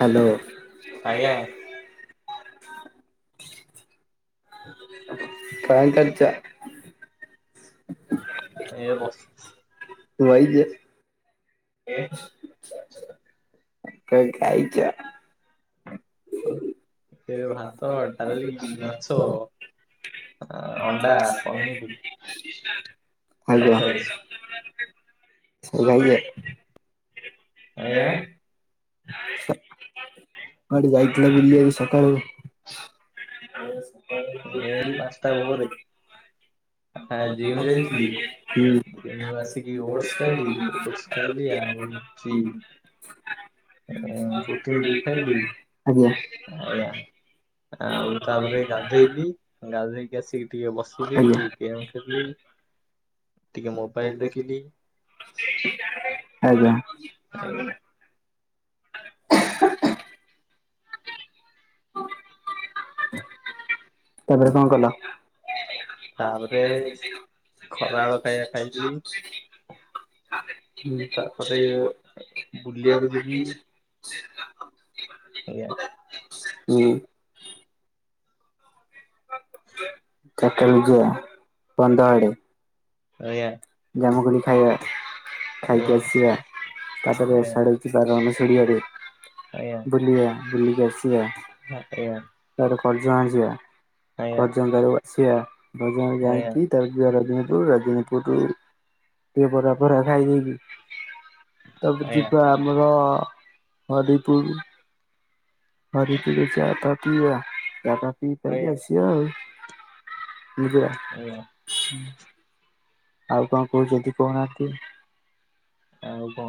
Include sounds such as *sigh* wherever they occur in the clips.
Hello ଆଜ୍ଞା। *inaudible* କଣ କରୁଛ? ଏଇ ବସିଚି। ବଇଚ? *inaudible* କଣ ଖାଇଛ? ସେ ଭାତ, ଡାଲି, ମାଛ ଆ, ଅଣ୍ଡା, ପନିର *unintelligible* ହେଲୋ *unintelligible* ସବୁ କଣ ଖାଇଛି। ଖାଇଛ? ଆଜ୍ଞା କୁଆଡେ ଯାଇଥିଲ ବୁଲିସକାଳୁ? ଏ ଆଜି *inaudible* ଆଜି ମୁଁ ଯାଇଥିଲି ଆସିକି ଓଲ୍ଟସ ଖାଇଲି ଓଲ୍ଟସ୍ ଆସିଲି ଆଉ ଚି ଡ୍ରିଙ୍କ *inaudible* ଖାଇଲି ଆଜ୍ଞା ଆଜ୍ଞା। ଆଉ ତାପରେ ଗାଧେଇଲିି ଗାଧେଇକି ଆସିକି ଟିକେ ବସିଲି ଆଜ୍ଞା ଟି ଗେମ୍ ଖେଳିଲି। ଟିକେ ମୋବାଇଲ ଦେଖିକି *inaudible* ଆଜ୍ଞା ଆଜ୍ଞା। ତାପରେ କଣ କଲ? ତାପରେ ଖରା ଆଳ ଖାଇବା ଖାଇଲି। ହୁଁ ଚାରିଟା ତାପରେ ବୁଲିବାକୁ ଯିବି। ଆଜ୍ଞା। ହୁଁ। ଚାରିଟା ବେଳକୁ ଯିବା ବନ୍ଧଆଡେ। ଆଜ୍ଞା। ଜାମୁକୋଳି ଖାଇବା। ଆଉ ଖାଇକି ଆସିବା କଣ ତାପରେ *unintelligible* ଆଜ୍ଞା ବୁଲିଆ ବୁଲିକି ଆସିଆ। *unintelligible* *unintelligible* ଜାଇକି। ଚାଲେ ଜିବାରାଜନୀପୁର ରାଜନୀପୁରରୁ ଟିକେ ବରା ଫରା ଖାଇଦେଇକି ତାପରେ ଯିବା ଆମର ହରିପୁର। ହରିପୁରରେ ଚା ଫା ପିଇବା ଚା ଫା ପି ପୁଆକି ଆସିବା ଆଉ। ବୁଝିଲ ଆଜ୍ଞା। ଆଉ କଣ କହୁଚନ୍ତି କହୁନାହାନ୍ତି। ଆଉ କ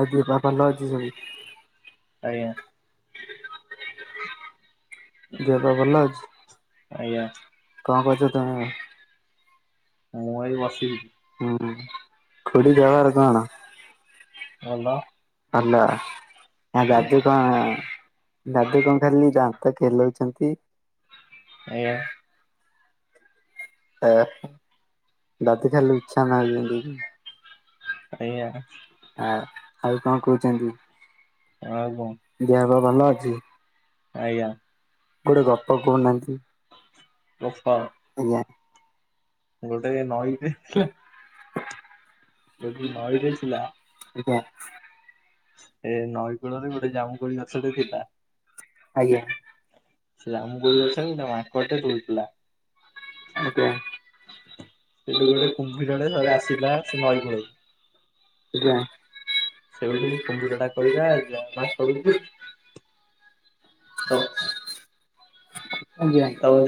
ଆଉ ଦେହ ପା ଭଲ ଅଛି ସବୁ। ଆଜ୍ଞା। ଦିହ ପା ଭଲ ଆଜ୍ଞା ଅଛି। କଣ କରୁଛ ତମେ? ମୁଁ ଏଇ ବସିଥିଲି ହୁଁ ଖୁଡି ଖବର କଣ। ଭଲ ହାଲୋ। ଆ ଦାଦୁ କଣ ଦାଦୁ କଣ ଖାଲି ଦାନ୍ତ ଖେଲଉଛନ୍ତି ଆଜ୍ଞା। ଏ ରାତି ଖାଇଲେ ଇଚ୍ଛା ନାଇଁ ଯେ ଆଜ୍ଞା। ଆ ଆଉ କଣ କହୁଛନ୍ତି ଆଉ ଦେହ ପା ଭଲ କଣ? ଅଛି? ଆଜ୍ଞା ଗୋଟେ ଗପ କହୁନାହାନ୍ତି ରଫା। ଆଉ କଣ। ଗୋଟେ ନଈଟେ ଥିଲା। ଯଦି ନଇ ରେ ଥିଲା। ଯିବା। ଏ ନଈକୂଳରେ ଗୋଟେ ଜାମୁକୋଳି ଗଛଟେ ଥିଲା। ଆଜ୍ଞା। ସେ ଜାମୁ କୋଳି ଗଛରେ ଗୋଟେ ମାଙ୍କଟେ ରହୁଥିଲା। ଆଜ୍ଞା। ସେଠୁ ଗୋଟେ କୁମ୍ଭୀରଟେ ଆସିଲା ସେ ନଇକୂଳକୁ। ଆଜ୍ଞା। ସେଇଠୁ ମୁଁ କମ୍ପୁଟର ଟା ଆଜ୍ଞା। କହିବା ମାଙ୍କଡ଼ କୁ। ତ।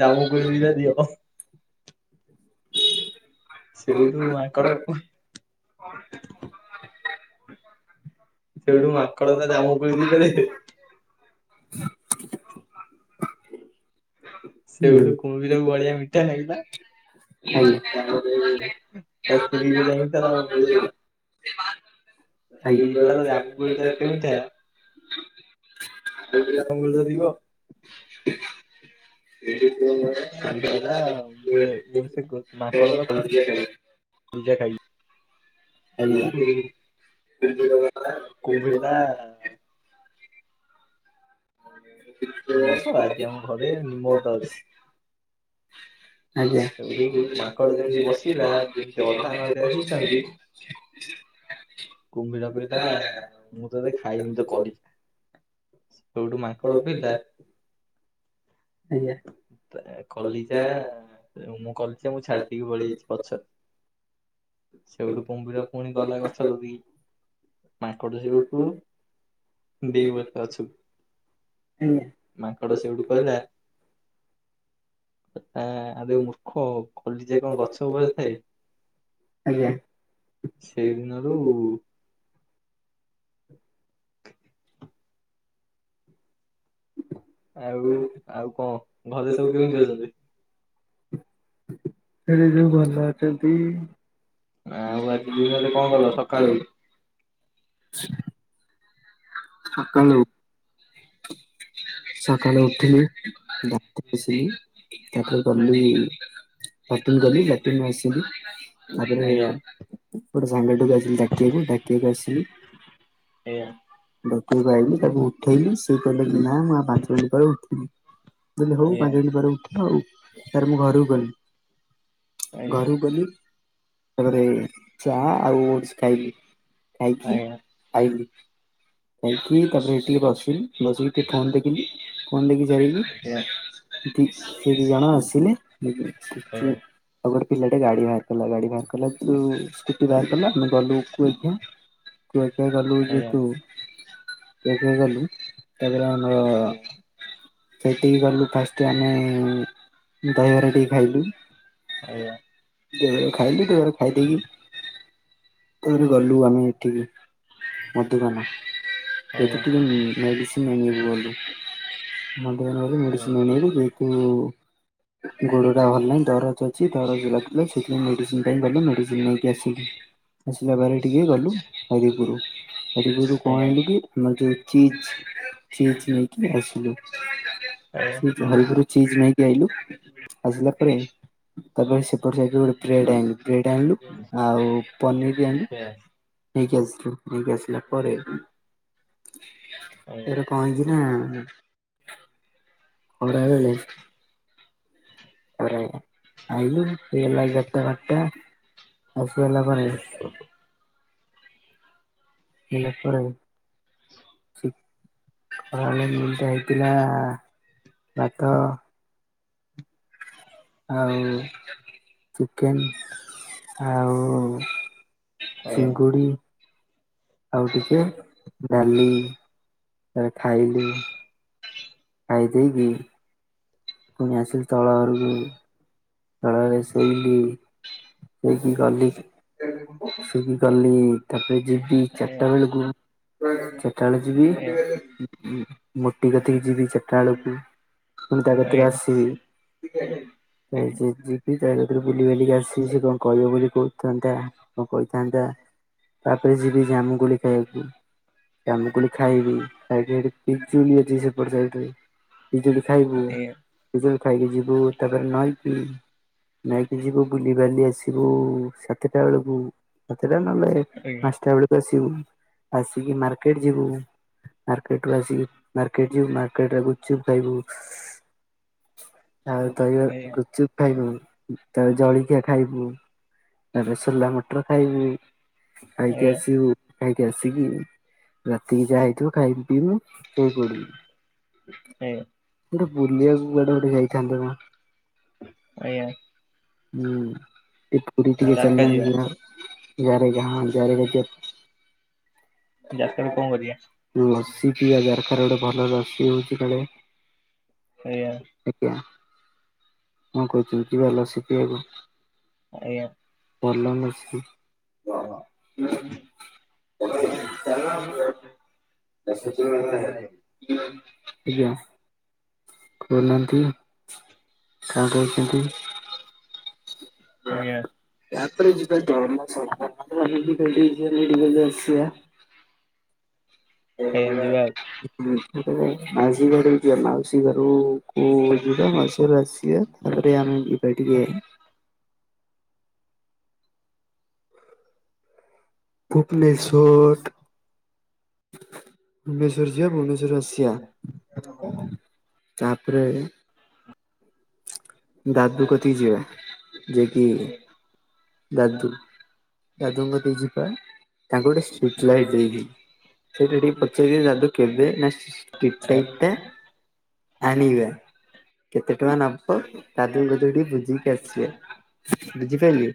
ଜାମୁକୋଳି ଦିଟା ଦିଅ। ସେଇଠୁ ମାଙ୍କଡ *unintelligible* ସେଇଠୁ ମାଙ୍କଡ ତା ଜାମୁକୋଳି ଦିଟା ଦେଲେ *unintelligible* ହୁଁ। ସେଇଠୁ କୁମ୍ଭୀରକୁ ବଢିଆ ମିଠା ଲାଗିଲା। *unintelligible* ତା ସ୍ତ୍ରୀକୁ ଯାଇକି ତା ଜାମୁକୋଳି ଦେଲା। ସ୍ତ୍ରୀ କହିଲା ତୋ *unintelligible* ଜାମୁକୋଳିଟା ଏତେ ମିଠା ଦେଖିଚ? ଜାମୁକୋଳି ତ ଥିବ। *unintelligible* ସେଇଠୁ କହିଲା ମୁଁ ମୁଁ ସେ *inaudible* ଉଁଯା ଖାଇ। କୁମ୍ଭୀରଟା *inaudible* *inaudible* ହଁ ଆଜି ଆମ ଘରେ ନିମ ତ ଅଛି। ଆଜ୍ଞା। ସେଇଠୁ ମାଙ୍କଡ ଯେମିତି ବସିଲା ଯେମତି ଅଧା ନଇ ରେ ହେଇଛି ସେମତି କୁମ୍ଭୀର କହିଲା ମୁଁ ତତେ ଖାଇନି ତ କଲିଜା, ସୋଉଠୁ ମାଙ୍କଡ଼ କହିଲା ଆଜ୍ଞା। କଲିଜା ମୁଁ କଲିଜା ମୁଁ ଛାଡି ଦେଇକି ପଳେଇ ଆଇଛି ପଛରେ। ସେଇଠୁ କୁମ୍ଭିର ପୁଣି ଗଲା ଗଛ କଦିକି। ମାଙ୍କଡୁ ସେଉଠୁ ଡେ ୱାଲଥରେ ଅଛୁ ମାଙ୍କଡ ସେଇଠୁ କହିଲା। ଆରେ ମୂର୍ଖ କଲିଜା କଣ ଗଛ ଉପରେ ଥାଏ? ଆଜ୍ଞା।। ସେଇଦିନରୁ *inaudible* ଆଉ ଆଉ କଣ ଘରେ ସବୁ କେମିତି ଅଛନ୍ତି? ସେ ଯୋଉ ଭଲ ଅଛନ୍ତିି। ନା ଆଉ ଆଜି ଦିନରେ କଣ କଲ ସକାଳୁ? ସକାଳୁ ସକାଳେ ଉଠିଲି ଭାତ ବସିଲି ତା ପରେ ଆଜ୍ଞା ଆଜ୍ଞା ଗଲି ଗଲି ଲଟିନ୍ ଆସିଲି ତାପରେ ଆଜ୍ଞା ଏ ପେଟ ସଙ୍ଗଟାକୁ ଡକିଆକୁ ଡାକିଆକୁ ଆସିଲି ଏହା। ଦକିଆକୁ ଆଇିଲି ତାକୁ ଉଠେଇଲିି ସେ କହିଲେ ନା ମୁଁ ଆଉ ପାଞ୍ଚ ମିନିଟ୍ ପରେ ଉଠିବି ମୁଁ କହିଲି ହଉ ଆଜ୍ଞା ପାଞ୍ଚ ମିନିଟ୍ ପରେ ଉଠ ଆଉ। ତା ପରେ ମୁଁ ଘରକୁ ଗଲି ଆଜ୍ଞା ଆଜ୍ଞା ଘରକୁ ଗଲି ତାପରେ ଚା ଆଉ ଓଟସ ଖାଇଲି ଆଜ୍ଞା ଆଜ୍ଞା ଖାଇକି ଆଜ୍ଞା। ଆଇଲି। ଯାଇକି ତାପରେ ଟିକେ ବସିଲି, ବସିକି ଟିକେ ଫୋନ ଦେଖିଲି ଫୋନ ଦେଖି ସାରିକି ସେଠି ସେଠି ଜଣେ ଆସିଲ *unintelligible* ଆଉ ଗୋଟେ ପିଲାଟେ ଗାଡି ବାହାର କଲା ଗାଡ଼ି ବାହାର ସ୍କୁଟି ବାହାରକଲା। ଆମେ ଗଲୁ କୁଆଖିଆ କୁଆଖିଆ ଗଲୁ ଯେହେତୁ କୁଆଖିଆ ଗଲୁ ତାପରେ ଆମ ସେଠିକି ଗଲୁ ଫାଷ୍ଟ ଆମେ ଦହିବରାଟିିକେ ଖାଇଲୁ। ଆଜ୍ଞା। ଖାଇଲିି ଟା ପରେ ଖାଇଦକି ତାପରେ ଗଲୁ ଆମେ ଏଠିକି, ମଧୁବନ। ଆଜ୍ଞା। କେତଟିିକି ମେଡିସିନ୍ ଆଣିବାକୁ ଗଲୁ ମାଗଣା ରେ ମେଡିସିନ୍ ଆଣିବାକୁ *unintelligible* ହୁଁ ଗୋଡ ଦେହ ଭଲ ନାହିଁ ଦରଜ ଅଛି। ଦରଜ ଲାଗିଲେ ସେଥିପାଇଁ ମେଡିସିନ ପାଇଁ ଗଲି ମେଡ଼ିସିନ ନେଇକି ଆସିଲି। ଆସିଲା ପରେ ଟିକେ ଗଲୁ ହରିପୁରୁ ହରିପୁୁରୁ ଆ ଚିଜ ଚିଜ ନେଇକି ଆସିଲୁ। ହରିପୁରୁ ଚିଜ୍ ନାଇ ଇଲୁ ଆସିଲା ପରେ ତାପରେ ସେପଟ ସାଇଡ ରୁ ଗୋଟେ ବ୍ରେଡ୍ ଅନିଲୁ। ବ୍ରେଡ଼୍ ଆଣିଲୁ ଆଉ ପନିର ବି ଆଣିଲୁ। ଆଜ୍ଞା। ନେଇକି ଆସିଲି ନେଇକି ଆସିଲ ପରେ ସେଠୁ ଜାରକା କଣ ହେଇଛି ନା *inaudible* ଆଇଲୁ ହେଇଗଲା ଏଗାରଟା ବାର ଟା *inaudible* ଗଟ ହସଏଲା ପରେ ଇନା ପଳେଇବ ଉପର ବେଳା ମିଲ୍ ଟା ହେଇଥିଲା ଭାତ ଆଉ ଚିକେନ୍ ଆଉ ଚିଙ୍ଗୁଡ଼ି। ଆଉ ଟିକେ ଡାଲି। ତାରେ ଖାଇଲି ଖାଇଦେଇକି ଫୁଣି ଆସିଲି ତଳ ଘରୁ ତାପରେ ଶୋଇଲି ଶୋଇ କି ଗଲି ସୁଖି କଲି ତାପରେ ଯିିବି ଚାରିଟା ବେଳକୁ। ଚାର ଟା ବେଳ ଯିବି ମୋଟି କତିକି ଯିବି ଚାରିଟା ବେଳକୁ। ମୁଁ ତା କତିରୁ ଆସିବି। ଯିବି ତା ସାଥିରେ ବୁଲି ବାଲିକି ଆସିବ ସେ କଣ କହିବ ବୋଲି କହୁଥାନ୍ତା। ମୁଁ କହିଥାନ୍ତା ତାପରେ ଯିବି ଜାମୁକୁଳି ଖାଇବାକୁ। ଜାମୁ କୋଳି ଖାଇବି ତା ପରେ ସେଠୀ ପିଜୁଲି ଅଛି ସେପଟ ସାଇଟିରେ। ବିଜୁଳି ଖାଇବୁ ପିଜୁଳି ଖାଇକି ଯିବୁ ତାପରେ ନଈ ନେଇକି ଯିବୁ ବୁଲିବାଲି ଆସିବୁ ସାତଟା ବେଳକୁ ରାତିରେ ନ ହେଲେ ପାଞ୍ଚ ଟା ବେଳେ ଆସିବୁ, ଆସିଲି ମାର୍କେଟ ଯିବୁ। ମାର୍କେଟ ରୁ ଆସି ମାର୍କେଟ ଯିବୁ ମାର୍କେଟରେ ଗୁପୁଚୁପ୍ ଖାଇବୁ। ତା ଦହିବ ଗୁଚୁପ୍ ଖାଇବୁ ତା ଜଳିଖିଆ ଖାଇବୁ ତା ପରେ ସୋଲା ମଟର ଖାଇବୁ ଖାଇକି ଆସିବୁ ଖାଇକି ଆସିକି ରାତିକି ଯାହା ହେଇଥିବ ଖାଇି ପିଇମି ସୋଇପଡ଼ିବୁ। ହୁଁ। ଗୋଟେ ବୁଲିବାକୁ କୁଆଡେ ଗୋଟେ ଯାଇଥାନ୍ତେ ନା ଆଜ୍ଞା। ହୁଁ ସେ ପୁରୀ ଟିକେ ଚନ୍ଦନ ଯିବା ଯ ଜାରେ ଯା ହଁ ଜାରେ। ଯାସ୍ତ ରୁ କଣ କରିବା? ଲସି ପିଇବା ଦରକାର ଗୋଟେ ଭଲ ଲସି ହଉଛି କାଳେ ଆଜ୍ଞା। ଆଜ୍ଞା ହଁ କହୁଛୁ ଯିବା ଲସି ପିଇବା ଆଜ୍ଞା ବଲ ମର୍ସି *inaudible* *inaudible* ଆଜ୍ଞା। କୋଉ ନାହାନ୍ତି କଣ କୋହୁଛନ୍ତି? ଆଜ୍ଞା *unintelligible* ଆଜ୍ଞା ଯିବା *unintelligible* ମାଝୀ ଘରୁ ମାଉସୀ ଘରୁ ଓ ଯିବା ମାଉସି ଘରୁ ଆସିବା ତାପରେ ଆମେ ଯିବାଟିକେ ଭୁବନେଶ୍ୱର। ଭୁବନେସ୍ୱର ଯିବା ଭୁବନେଶ୍ୱର ରୁ ଆସିିବା। ତାପରେ ଗାଦୁ କତିକି ଯିବା ଯେକି ଦାଦୁ ଦାଦୁଙ୍କତିକି ଯିବା ତାଙ୍କୁ ଗୋଟେ ଷ୍ଟ୍ରିଟ୍ ଲାଇଟ୍ ଦେଇକି ସେଇଟା ଟିକେ ପଚାରିବା ନା ଦାଦୁ କେବେ ନା ଷ୍ଟ୍ରିଟ୍ ଲାଇଟ୍ ଟା ଆଣିିବା। କେତେ ଟଙ୍କା ନବ ଦାଦୁଙ୍କ ତୁରୁ ଟିକେ ବୁଝିକି ଆସିବେ ବୁଝିପାଇଲୁ।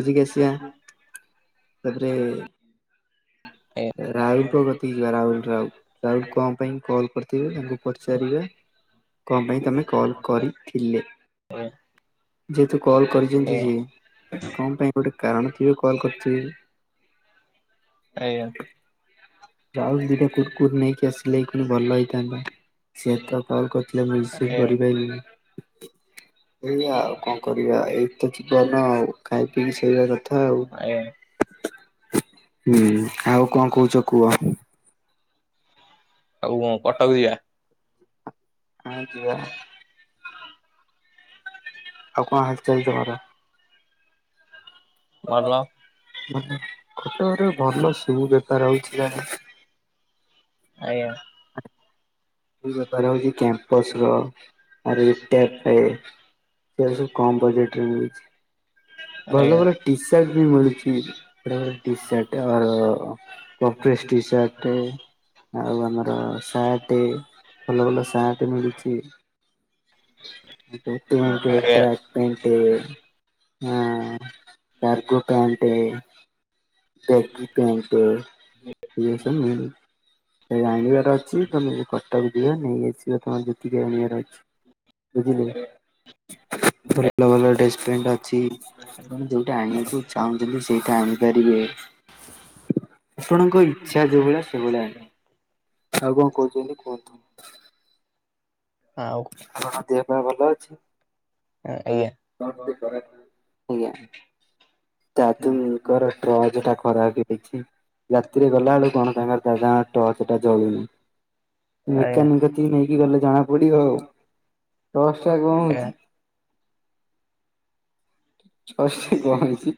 ବୁଝିକି ଆସିିବା ତାପରେ ଆଉ। ରାହୁଲ କ କତି ଯିବା ରାହୁଲ ରାହୁଲ ରାହୁଲ କଣ ପାଇଁ କଲ୍ କରି ତାଙ୍କୁ ପଚାରିବା କଣ ପାଇଁ ତମେ କଲ୍ କରିଥିଲେ। ଆଞା ଯେହେତୁ କଲ୍ କରିଛନ୍ତି ସିଏ କଣ ପାଇଁ ଗୋଟେ କାରଣ ଥିବ କଲ୍ କରିଥିବେ। ଆଜ୍ଞା। ଯାଉଛି ଦିଟା କୁକୁର୍ ନେଇକି ଆସିଲେ ନେୟୀ କ୍ଷଣି ଭଲ ହେଇଥାନ୍ତା ସେ ତ କଲ୍ କରିଥିଲେ ଆଜ୍ଞା ରୋଷେଇ ଆଜ୍ଞା କରିପାରିବିନି। ଏଇଆ ଆଉ କଣ କରିବା ଏଇତ ଯିବନ ଆଉ ଖାଇ ପିଇକି ସୋଇବା କଥା ଆଜ୍ଞା ଆଉ। ହୁଁ ଆଉ କଣ କୋଉଛ କୁହ। ଆଉ କଣ କଟକ ଯିବା। *unintelligible* ଆଉ କଣ ହାଲ ଚାଲ ତମର। ଭଲ। ଖଟରେ ଭଲ ସ ବେପାର ହଉଥିଲା। ଆଜ୍ଞା ବହାର ହଉଛି କ୍ୟାମ୍ପସ ର ଆ *inaudible* ସେ ସବୁ କମ୍ ବଜେଟରେ ମିଲୁଛି। ଆଜ୍ଞା ଭଲ ଆଜ୍ଞା ଭଲ ଟି ସାର୍ଟ ବି ମିଳୁଛି ଟି ସାର୍ଟ ଆର ପୋପେଶ ଟି ଶାର୍ଟ ଟେ ଆଉ ଆମର ସାର୍ଟ ଭଲ ଭଲ ସାର୍ଟ ମିଳୁଛି। *unintelligible* ହାଁ କାର୍ଗ ପାଣ୍ଟଟେ। ବାଗି ପେଣ୍ଟ ସବୁ ମିଳୁଚି। ଅଛି ତମେ କଟକ ଯିବା ନେଇଯାଇଛି ବା ତମର ଜତିକି ଆଣିବାର ଅଛି। ବୁଝିଲେ ଭଲ ଭଲ ଡ୍ରେସ ପ୍ୟାଣ୍ଟ ଅଛି। ଆପଣ ଯୋଉଟା ଆଣକୁ ଚାହୁଁଛନ୍ତି ସେଇଟା ଆଣିପାରିବେ। ଆପଣଙ୍କ ଇଚ୍ଛା ଯୋଉ ଭଳିଆ ସେଭଳିଆ ଆଉ କଣ କହୁଛନ୍ତି କୁହନ୍ତୁ? ହଁଉ ଆପଣଙ୍କ ଦେହ ପା ଭଲ ଅଛି? ଏୟା। ଆଜ୍ଞା ତୁଙ୍କର ଟ୍ରଜ ଟା ଖରାପ ହେଇଯାଇଛି ରାତିରେ ଗଲା ବେଳୁ କଣ ତାଙ୍କର ଦାଦା ଙ୍କ ଟର୍ଚ ଟା ଜଳୁନି। ଆଜ୍ଞା ମେକାନିକ କତିକି ନେଇକି ଗଲେ ଜଣା ପଡିବ ଆଉ ଟସ୍ ଟା କଣ ହଉଛି? ଅଷୀ କଣ ହେଉଛି।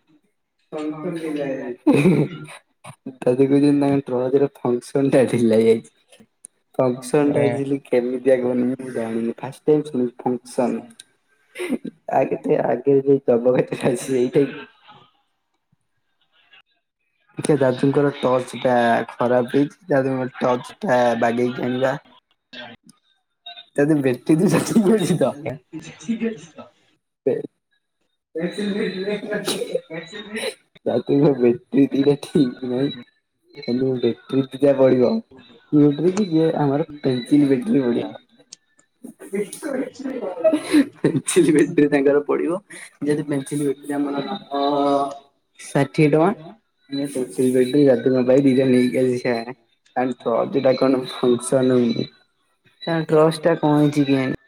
ଦାଦା କହୁଛନ୍ତି ତାଙ୍କ ଟର୍ଚ୍ଚ ର ଫଙ୍କସନ ଟା ଢିଲା ହେଇଯାଇଛି। ଫଙ୍କସନ୍ ଦାଝିର୍ଲି କେମିତି କଣ ମୁ ଜାଣିନି ଫାର୍ଷ୍ଟ ଟାଇମ ଶୁଣଛି ଫଙ୍କସନ୍। ଆଗ ତ ଆଗେ ଯେ *unintelligible* ଆ ଦାଦୁଙ୍କର ଟର୍ଚ୍ଚ ଟା ଖରାପ ହେଇଛି ଦାଦୁଙ୍କର ଟର୍ଚ୍ଚ ଟା ବାଗେଇକି ଆଣିବା। *unintelligible* ତାଦ ବେଟିେ ଦି ମି *unintelligible* ଠୀକ ଅଛି *inaudible* ହ ଫଖ କ ତାପରେ ମୋ ବାଟେରୀ ଦିଟା ଠିକ ନାହିଁ ବ୍ୟାଟେରୀ ଦିଟା ପଢିବ। ଟ୍ର ଯିଏ ଆମର ପେନସିଲ ବେଟ୍ରି ଆଜ୍ଞା। ପଡିବ। *unintelligible* ତାଙ୍କର ପଡିବ ପେନସିଲ ବେଟ୍ରୀ ଆମର ଷାଠିଏ ଟଙ୍କା। *unintelligible* *unintelligible*